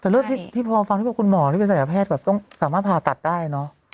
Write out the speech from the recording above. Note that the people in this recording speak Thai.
แต่เรื่องที่พอฟังที่บอกคุณหมอที่เป็นศัยแพทย์แบบต้องสามารถผ่าตัดได้เนอะ